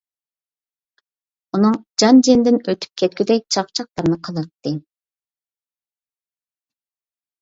ئۇنىڭ جان جېنىدىن ئۆتۈپ كەتكۈدەك چاقچاقلارنى قىلاتتى.